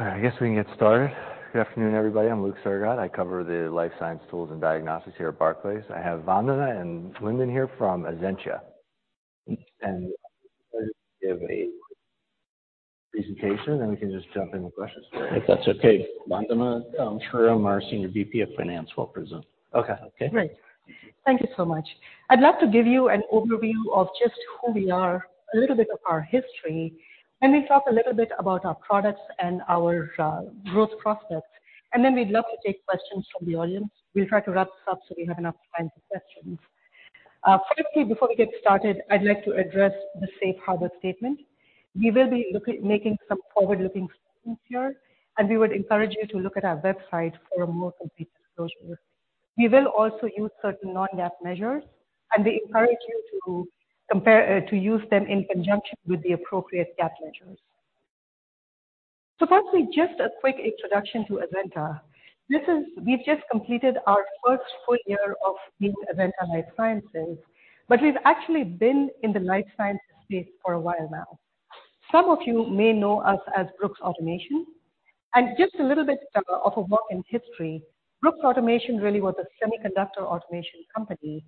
All right. I guess we can get started. Good afternoon, everybody. I'm Luke Sergott. I cover the life science tools and diagnostics here at Barclays. I have Vandana and Lindon here from Azenta. Give a presentation, then we can just jump into questions. If that's okay. Vandana Sriram, our Senior VP of Finance, will present. Okay. Okay. Great. Thank you so much. I'd love to give you an overview of just who we are, a little bit of our history, and then talk a little bit about our products and our growth prospects. We'd love to take questions from the audience. We'll try to wrap this up so we have enough time for questions. Firstly, before we get started, I'd like to address the safe harbor statement. We will be making some forward-looking statements here, and we would encourage you to look at our website for a more complete disclosure. We will also use certain non-GAAP measures, and we encourage you to use them in conjunction with the appropriate GAAP measures. Firstly, just a quick introduction to Azenta. This is – We've just completed our first full year of being Azenta Life Sciences, we've actually been in the life sciences space for a while now. Some of you may know us as Brooks Automation. Just a little bit of a walk in history. Brooks Automation really was a semiconductor automation company.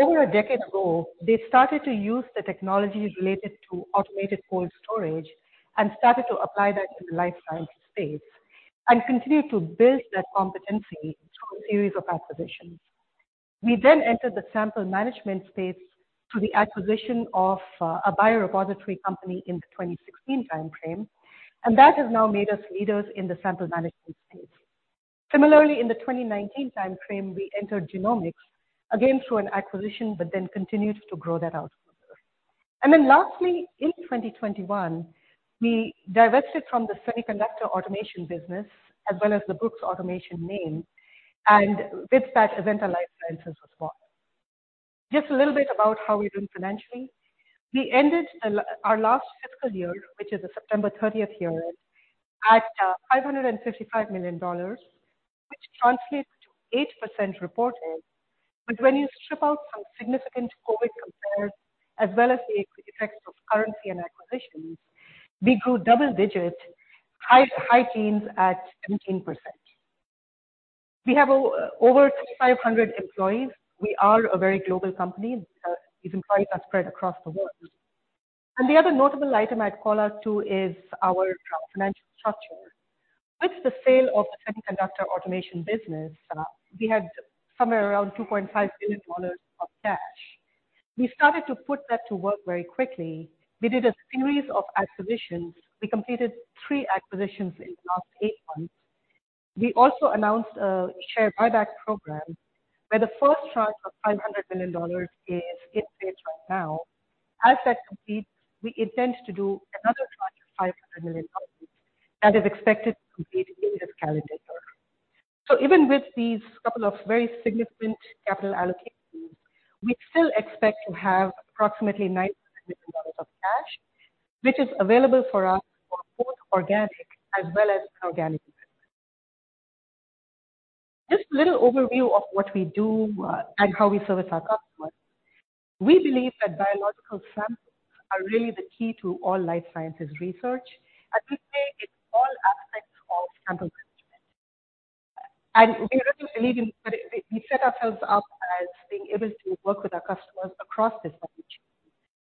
Over a decade ago, they started to use the technologies related to automated cold storage and started to apply that to the life sciences space and continued to build that competency through a series of acquisitions. We then entered the sample management space through the acquisition of a biorepository company in the 2016 timeframe, that has now made us leaders in the sample management space. In the 2019 timeframe, we entered genomics again through an acquisition, continued to grow that out further. Lastly, in 2021, we divested from the semiconductor automation business as well as the Brooks Automation name, and with that Azenta Life Sciences was born. Just a little bit about how we're doing financially. We ended our last fiscal year, which is a September 30th year, at $555 million, which translates to 8% reported. When you strip out some significant COVID compares as well as the effects of currency and acquisitions, we grew double digits, high teens at 17%. We have over 2,500 employees. We are a very global company. These employees are spread across the world. The other notable item I'd call out to is our financial structure. With the sale of the semiconductor automation business, we had somewhere around $2.5 billion of cash. We started to put that to work very quickly. We did a series of acquisitions. We completed three acquisitions in the last eight months. We also announced a share buyback program, where the first tranche of $500 million is in place right now. As that completes, we intend to do another tranche of $500 million, and is expected to complete in this calendar year. Even with these couple of very significant capital allocations, we still expect to have approximately $900 million of cash, which is available for us for both organic as well as inorganic investment. Just a little overview of what we do, and how we service our customers. We believe that biological samples are really the key to all life sciences research. We say in all aspects of sample management. We really believe we set ourselves up as being able to work with our customers across this value chain.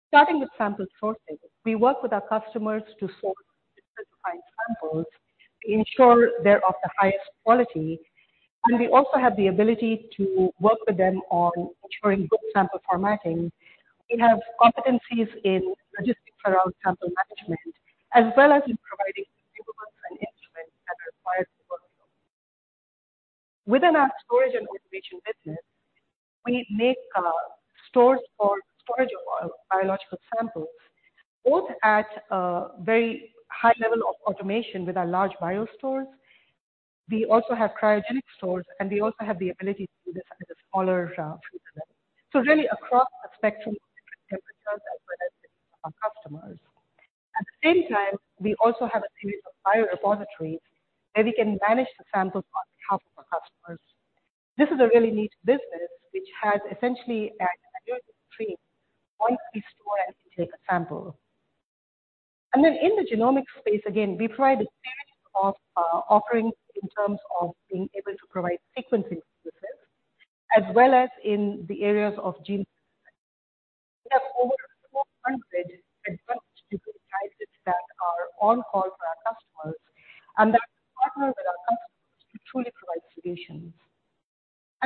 Starting with sample sourcing, we work with our customers to source different types of samples to ensure they're of the highest quality. We also have the ability to work with them on ensuring good sample formatting. We have competencies in logistics around sample management as well as in providing consumables and instruments that are required to work with them. Within our storage and automation business, we make stores for storage of biological samples, both at a very high level of automation with our large BioStore. We also have cryogenic stores, and we also have the ability to do this at a smaller throughput. Really across a spectrum of different temperatures that benefit our customers. At the same time, we also have a series of biorepositories where we can manage the samples on behalf of our customers. This is a really neat business which has essentially an annuity stream for every store and we take a sample. Then in the genomics space, again, we provide a series of offerings in terms of being able to provide sequencing services as well as in the areas of gene. We have over 400 advanced degree scientists that are on call for our customers and that partner with our customers to truly provide solutions.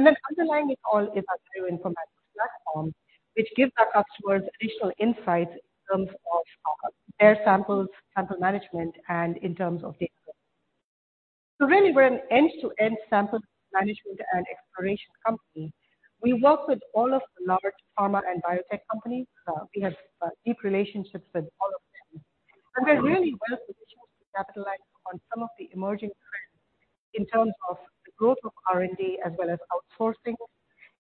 Then underlying it all is our bioinformatic platform, which gives our customers additional insights in terms of their samples, sample management, and in terms of data. Really we're an end-to-end sample management and exploration company. We work with all of the large pharma and biotech companies. We have deep relationships with all of them. We're really well positioned to capitalize on some of the emerging trends in terms of the growth of R&D, as well as outsourcing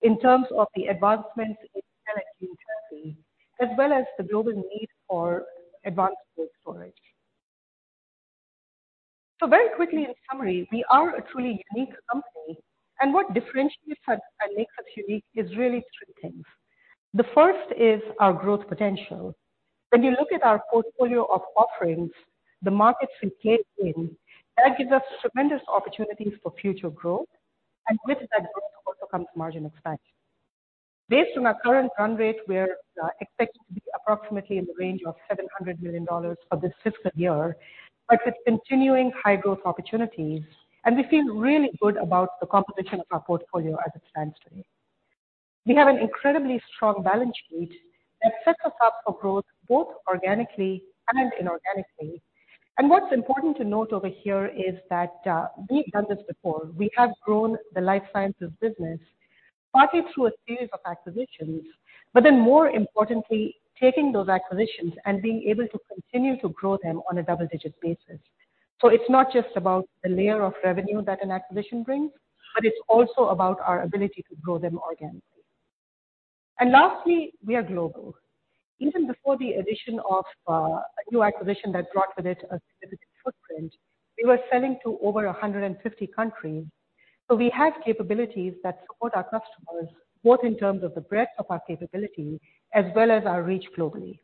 in terms of the advancements in genetic testing, as well as the global need for advanced cold storage. Very quickly, in summary, we are a truly unique company and what differentiates us and makes us unique is really three things. The first is our growth potential. When you look at our portfolio of offerings, the markets we play in, that gives us tremendous opportunities for future growth, and with that growth also comes margin expansion. Based on our current run rate, we're expected to be approximately in the range of $700 million for this fiscal year. With continuing high growth opportunities, we feel really good about the composition of our portfolio as it stands today. We have an incredibly strong balance sheet that sets us up for growth both organically and inorganically. What's important to note over here is that we've done this before. We have grown the life sciences business partly through a series of acquisitions, more importantly, taking those acquisitions and being able to continue to grow them on a double-digit basis. It's not just about the layer of revenue that an acquisition brings, but it's also about our ability to grow them organically. Lastly, we are global. Even before the addition of a new acquisition that brought with it a significant footprint, we were selling to over 150 countries. We have capabilities that support our customers, both in terms of the breadth of our capability as well as our reach globally.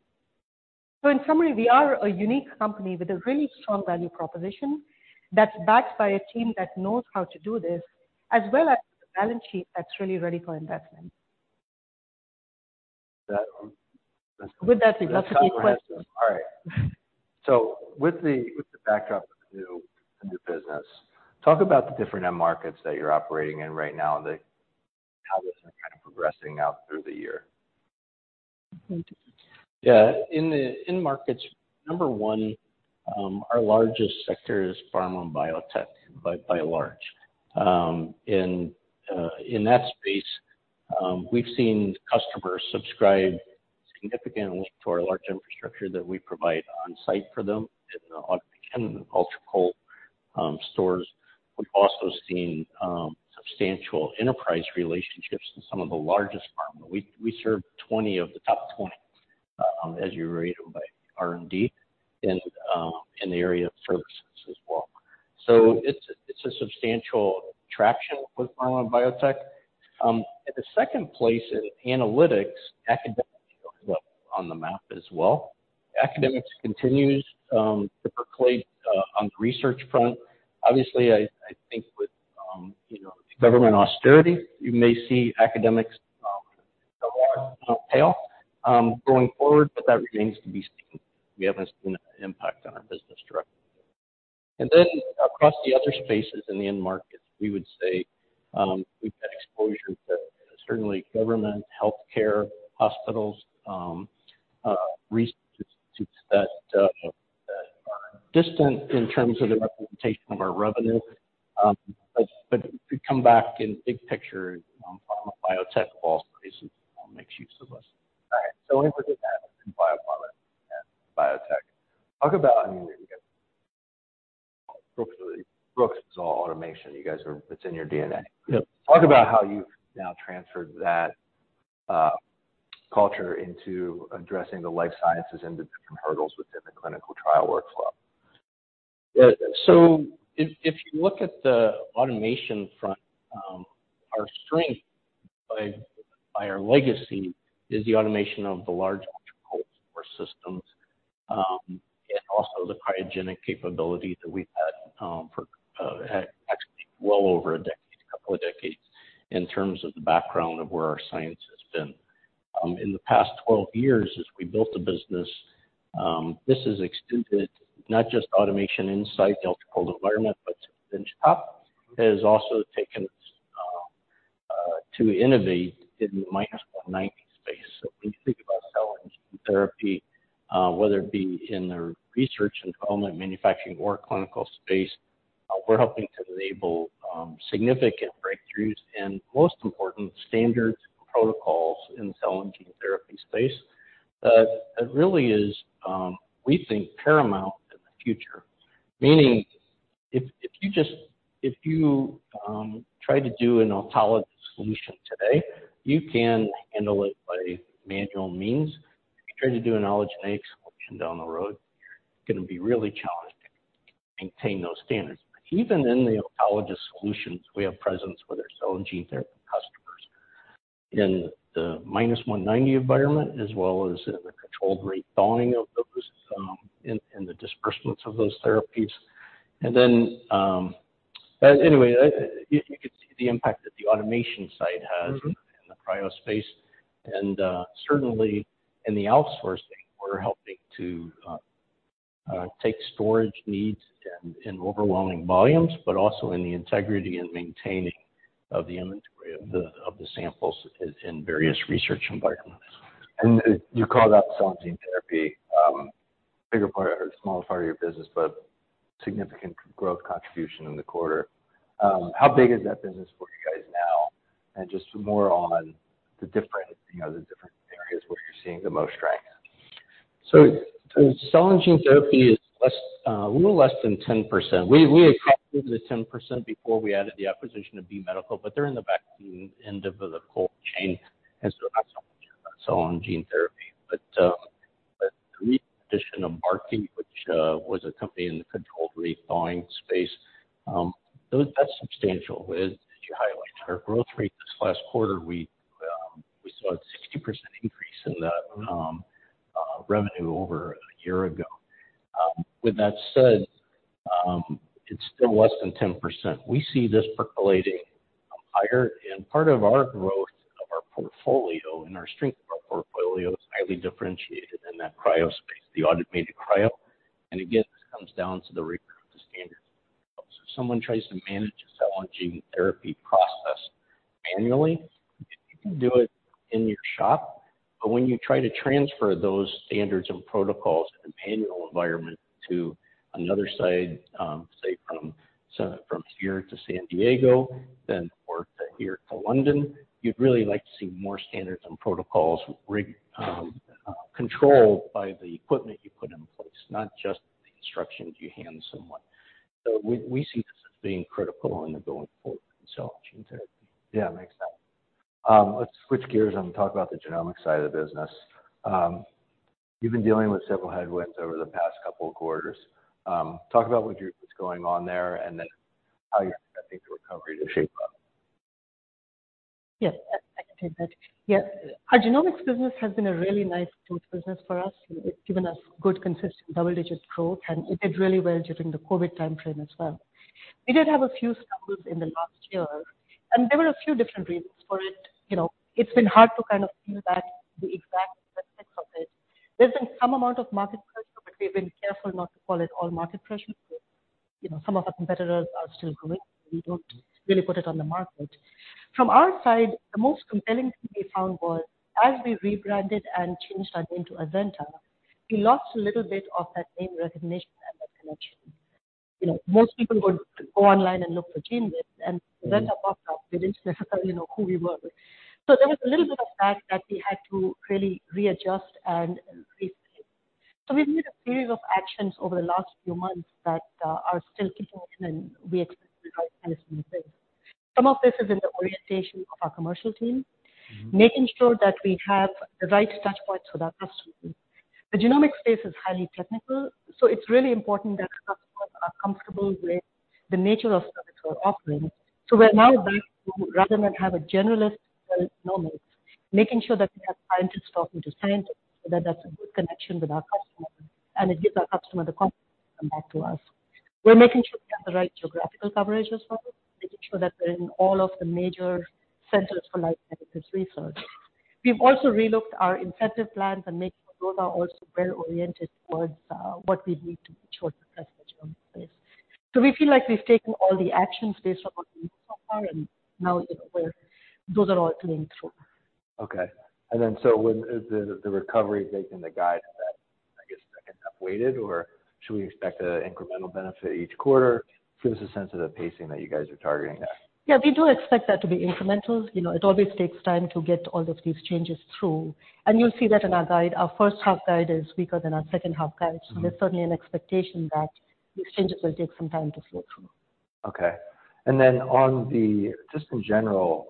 In summary, we are a unique company with a really strong value proposition that's backed by a team that knows how to do this, as well as a balance sheet that's really ready for investment. That- With that said, that's the key question. All right. With the backdrop of the new business, talk about the different end markets that you're operating in right now and how those are kind of progressing out through the year. Okay. Yeah. In the end markets, one, our largest sector is pharma and biotech by and large. In that space, we've seen customers subscribe significantly to our large infrastructure that we provide on site for them in the ultracold stores. We've also seen substantial enterprise relationships in some of the largest pharma. We serve 20 of the top 20, as you read them by R&D in the area of services as well. It's a substantial traction with pharma and biotech. At the second place in analytics, academics shows up on the map as well. Academics continues to percolate on the research front. Obviously, I think with, you know, government austerity, you may see academics tail going forward, but that remains to be seen. We haven't seen an impact on our business directly. Then across the other spaces in the end markets, we would say, we've got exposure to certainly government, healthcare, hospitals, research institutes that are distant in terms of the representation of our revenue. If we come back in big picture, pharma, biotech, all spaces, makes use of us. All right. When we look at that in biopharma and biotech, talk about, I mean, you guys. Brooks is all automation. It's in your DNA. Yep. Talk about how you've now transferred that culture into addressing the life sciences and the different hurdles within the clinical trial workflow. If you look at the automation front, our strength by our legacy is the automation of the large ultracold storage systems, and also the cryogenic capability that we've had for actually well over a decade, a couple of decades, in terms of the background of where our science has been. In the past 12 years as we built the business, this has extended not just automation insight in the ultracold environment, but to finish up, it has also taken us to innovate in the -190 space. When you think about cell and gene therapy, whether it be in the research and development, manufacturing or clinical space, we're helping to enable significant breakthroughs and most important standards and protocols in the cell and gene therapy space. It really is, we think paramount in the future. Meaning if you try to do an autologous solution today, you can handle it by manual means. If you try to do an allogeneic solution down the road, you're gonna be really challenged to maintain those standards. Even in the autologous solutions, we have presence with our cell and gene therapy customers in the -190 environment as well as in the controlled-rate thawing of those and the disbursements of those therapies. Anyway, you can see the impact that the automation side has. Mm-hmm. In the cryo space, and certainly in the outsourcing, we're helping to take storage needs in overwhelming volumes, but also in the integrity and maintaining of the inventory of the samples in various research environments. You called out cell and gene therapy, bigger part or smaller part of your business, but significant growth contribution in the quarter. How big is that business for you guys now? Just more on the different, you know, the different areas where you're seeing the most strength. Cell and gene therapy is less, a little less than 10%. We had the 10% before we added the acquisition of B Medical, but they're in the vaccine end of the cold chain. On gene therapy. The recent addition of Barkey, which was a company in the controlled-rate thawing space, that's substantial. As you highlighted, our growth rate this last quarter, we saw a 60% increase in that revenue over a year ago. With that said, it's still less than 10%. We see this percolating up higher, part of our growth of our portfolio and our strength of our portfolio is highly differentiated in that cryo space, the automated cryo. Again, this comes down to the rigor of the standards and protocols. If someone tries to manage a cell and gene therapy process manually, you can do it in your shop. When you try to transfer those standards and protocols in a manual environment to another site, say from here to San Diego, then or here to London, you'd really like to see more standards and protocols controlled by the equipment you put in place, not just the instructions you hand someone. We see this as being critical in the going forward in cell and gene therapy. Yeah, makes sense. Let's switch gears and talk about the genomics side of the business. You've been dealing with several headwinds over the past couple of quarters. Talk about what's going on there, and then how you're expecting the recovery to shape up. Yes, I can take that. Yeah. Our genomics business has been a really nice growth business for us. It's given us good, consistent double-digit growth, and it did really well during the COVID timeframe as well. We did have a few stumbles in the last year. There were a few different reasons for it. You know, it's been hard to kind of pin down the exact specifics of it. There's been some amount of market pressure. We've been careful not to call it all market pressure. You know, some of our competitors are still growing. We don't really put it on the market. From our side, the most compelling thing we found was as we rebranded and changed our name to Azenta, we lost a little bit of that name recognition and that connection. You know, most people would go online and look for GenMark. Azenta popped up. They didn't know, you know, who we were. There was a little bit of that we had to really readjust and reset. We've made a series of actions over the last few months that are still kicking in. We expect the right kind of new things. Some of this is in the orientation of our commercial team. Making sure that we have the right touch points with our customer base. The genomics space is highly technical. It's really important that our customers are comfortable with the nature of service we're offering. We're now back to rather than have a generalist sell genomics, making sure that we have scientists talking to scientists, so that that's a good connection with our customers. It gives our customer the confidence to come back to us. We're making sure we have the right geographical coverage as well, making sure that we're in all of the major centers for life sciences research. We've also relooked our incentive plans making sure those are also well-oriented towards what we need to be sure to test the genomic space. So, we feel like we've taken all the actions based on what we need so far, and now those are all playing through. Okay. Is the recovery making the guide in that, I guess, second half weighted, or should we expect a incremental benefit each quarter? Give us a sense of the pacing that you guys are targeting there. Yeah, we do expect that to be incremental. You know, it always takes time to get all of these changes through. You'll see that in our guide. Our first half guide is weaker than our second half guide. Mm-hmm. There's certainly an expectation that these changes will take some time to flow through. Okay. Just in general,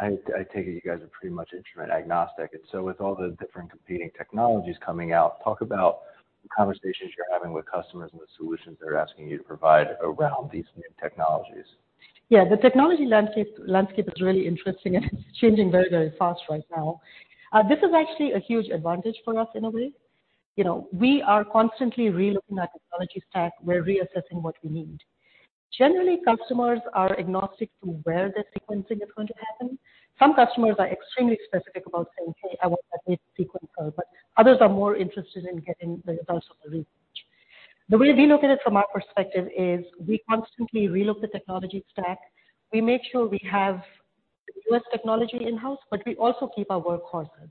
I take it you guys are pretty much instrument agnostic. With all the different competing technologies coming out, talk about the conversations you're having with customers and the solutions they're asking you to provide around these new technologies? The technology landscape is really interesting. It's changing very, very fast right now. This is actually a huge advantage for us in a way. You know, we are constantly relooking at technology stack. We're reassessing what we need. Generally, customers are agnostic to where the sequencing is going to happen. Some customers are extremely specific about saying, "Hey, I want that mid sequencer." Others are more interested in getting the results of the research. The way we look at it from our perspective is we constantly relook the technology stack. We make sure we have the best technology in-house. We also keep our workhorses.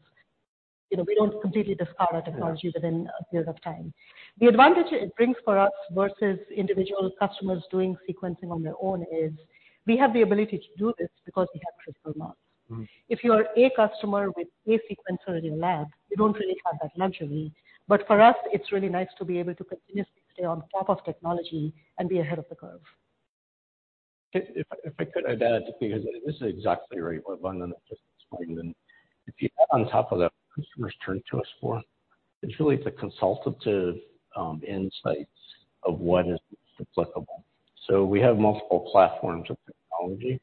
You know, we don't completely discard our technologies within a period of time. The advantage it brings for us versus individual customers doing sequencing on their own is we have the ability to do this because we have critical mass. Mm-hmm. If you are a customer with a sequencer in your lab, you don't really have that luxury. For us, it's really nice to be able to continuously stay on top of technology and be ahead of the curve. If I could add to that just because this is exactly right what Vandana just explained. If you are on top of that, customers turn to us for, it's really the consultative insights of what is applicable. We have multiple platforms of technology.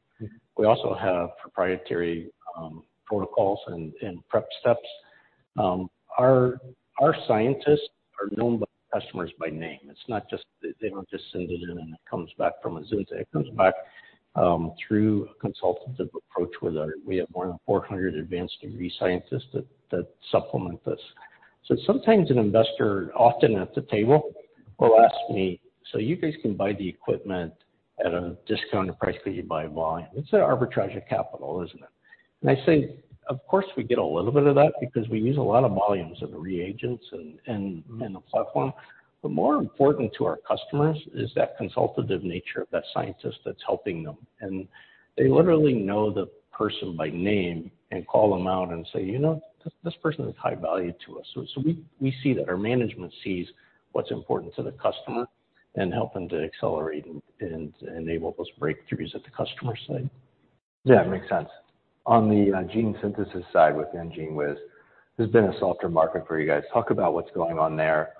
We also have proprietary protocols and prep steps. Our scientists are known by customers by name. They don't just send it in, and it comes back from Azenta. It comes back through a consultative approach where we have more than 400 advanced degree scientists that supplement this. Sometimes an investor, often at the table, will ask me, "So you guys can buy the equipment at a discounted price because you buy in volume. It's arbitrage capital, isn't it?" I say, "Of course, we get a little bit of that because we use a lot of volumes of the reagents and the platform." More important to our customers is that consultative nature of that scientist that's helping them. They literally know the person by name and call them out and say, "You know, this person is high value to us." We see that. Our management sees what's important to the customer. Help them to accelerate and enable those breakthroughs at the customer site. Yeah, it makes sense. On the gene synthesis side within GENEWIZ, there's been a softer market for you guys. Talk about what's going on there,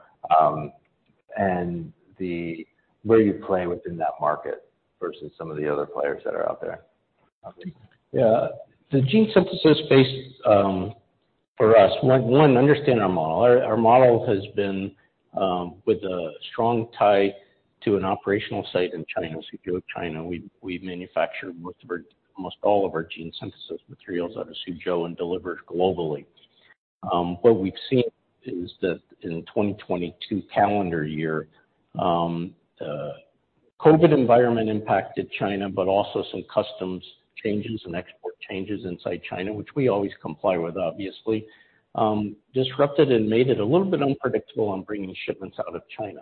and the way you play within that market versus some of the other players that are out there. The gene synthesis space, for us, understand our model. Our model has been with a strong tie to an operational site in China, Suzhou, China. We manufacture almost all of our gene synthesis materials out of Suzhou and delivered globally. What we've seen is that in 2022 calendar year, COVID environment impacted China, but also some customs changes and export changes inside China, which we always comply with, obviously, disrupted and made it a little bit unpredictable on bringing shipments out of China.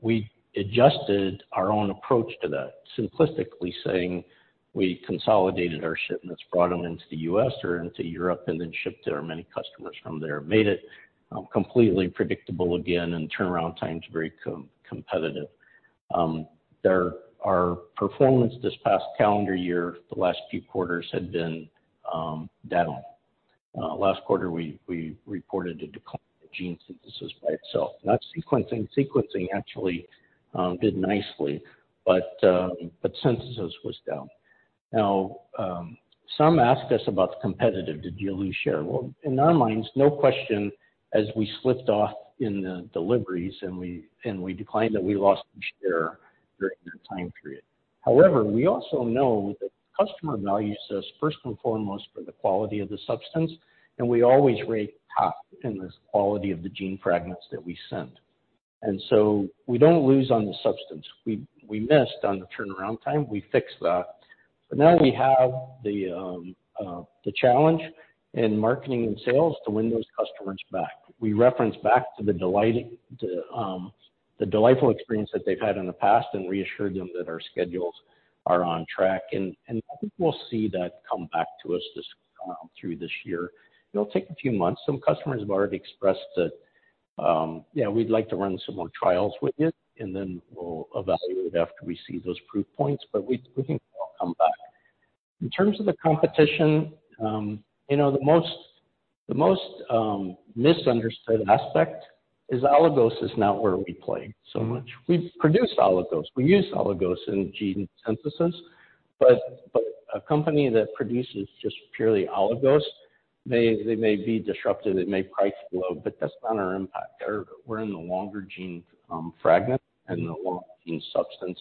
We adjusted our own approach to that, simplistically saying we consolidated our shipments, brought them into the U.S. or into Europe, and then shipped to our many customers from there. Made it completely predictable again and turnaround time's very competitive. Our performance this past calendar year, the last few quarters had been down. Last quarter, we reported a decline in gene synthesis by itself. Not sequencing. Sequencing actually did nicely, but synthesis was down. Some asked us about the competitive. Did you lose share? In our minds, no question, as we slipped off in the deliveries and we declined that we lost some share during that time period. We also know that customer values us first and foremost for the quality of the substance, and we always rate top in this quality of the gene fragments that we send. We don't lose on the substance. We missed on the turnaround time. We fixed that. We have the challenge in marketing and sales to win those customers back. We reference back to the delight, the delightful experience that they've had in the past and reassure them that our schedules are on track. I think we'll see that come back to us this through this year. It'll take a few months. Some customers have already expressed that, "Yeah, we'd like to run some more trials with you, and then we'll evaluate after we see those proof points," but we think it will come back. In terms of the competition, you know, the most misunderstood aspect is oligos is not where we play so much. We produce oligos. We use oligos in gene synthesis, but a company that produces just purely oligos, they may be disruptive, they may price below, but that's not our impact. We're in the longer gene fragment and the long gene substance.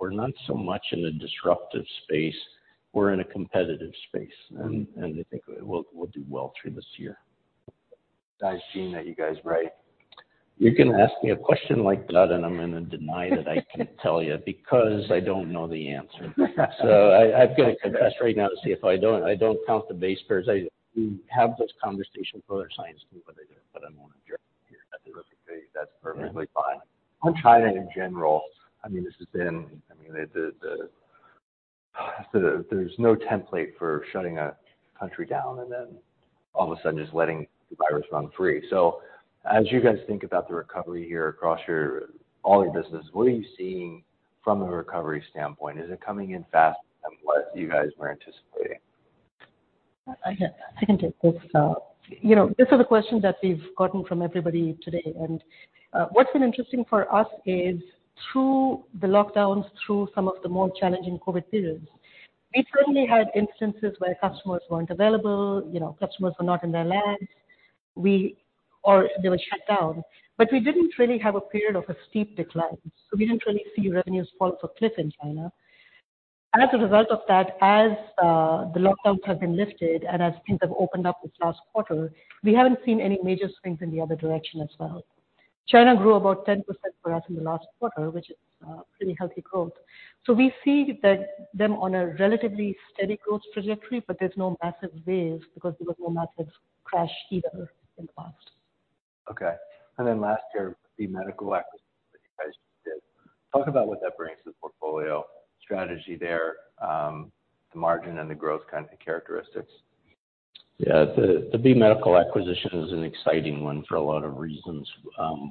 We're not so much in a disruptive space. We're in a competitive space. I think we'll do well through this year. Nice gene that you guys write. You're gonna ask me a question like that, and I'm gonna deny that I can tell you because I don't know the answer. I'm gonna confess right now to see if I don't count the base pairs. I do have this conversation with our science team, but I'm gonna address it here. That's perfectly fine. On China in general, I mean, this has been, I mean, there's no template for shutting a country down and then all of a sudden just letting the virus run free. As you guys think about the recovery here across all your business, what are you seeing from a recovery standpoint? Is it coming in faster than what you guys were anticipating? I can take this. You know, this is a question that we've gotten from everybody today. What's been interesting for us is through the lockdowns, through some of the more challenging COVID periods, we certainly had instances where customers weren't available, you know, customers were not in their labs. They were shut down. We didn't really have a period of a steep decline, so we didn't really see revenues fall off a cliff in China. As a result of that, as the lockdowns have been lifted and as things have opened up this last quarter, we haven't seen any major swings in the other direction as well. China grew about 10% for us in the last quarter, which is a pretty healthy growth. We see them on a relatively steady growth trajectory, but there's no massive waves because there was no massive crash either in the past. Okay. Last year, the medical acquisition that you guys just did. Talk about what that brings to the portfolio, strategy there, the margin and the growth kind of characteristics. Yeah. The B Medical acquisition is an exciting one for a lot of reasons.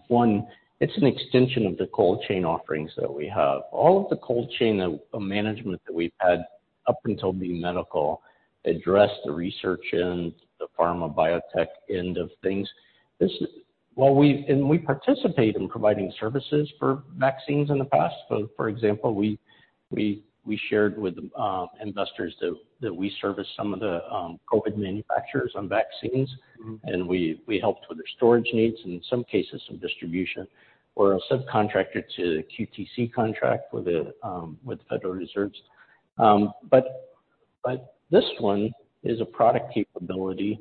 one, it's an extension of the cold chain offerings that we have. All of the cold chain of management that we've had up until B Medical addressed the research end, the pharma biotech end of things. We participate in providing services for vaccines in the past. For example, we shared with investors that we service some of the COVID manufacturers on vaccines. Mm-hmm. We, we helped with their storage needs, and in some cases, some distribution. We're a subcontractor to the QTC contract with the Federal Reserves. This one is a product capability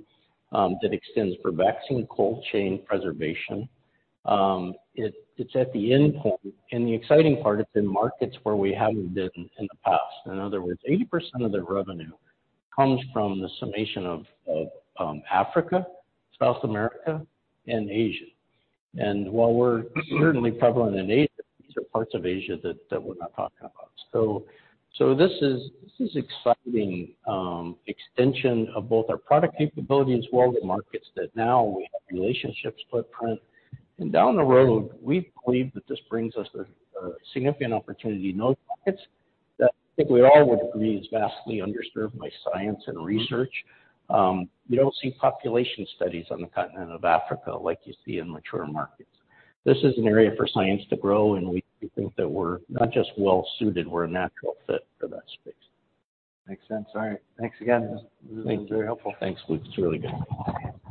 that extends for vaccine cold chain preservation. It, it's at the endpoint. The exciting part, it's in markets where we haven't been in the past. In other words, 80% of the revenue comes from the summation of, Africa, South America, and Asia. While we're certainly prevalent in Asia, these are parts of Asia that we're not talking about. This is, this is exciting extension of both our product capability as well as the markets that now we have relationships footprint. Down the road, we believe that this brings us a significant opportunity in those markets that I think we all would agree is vastly underserved by science and research. You don't see population studies on the continent of Africa like you see in mature markets. This is an area for science to grow, and we think that we're not just well suited, we're a natural fit for that space. Makes sense. All right. Thanks again. This has been very helpful. Thanks, Luke. It's really good.